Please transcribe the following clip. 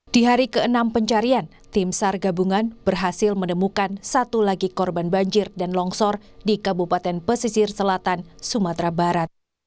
di hari ke enam pencarian tim sar gabungan berhasil menemukan satu lagi korban banjir dan longsor di kabupaten pesisir selatan sumatera barat